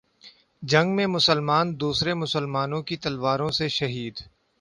جنگ میں مسلمان دوسرے مسلمانوں کی تلواروں سے شہید